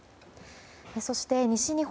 そして西日本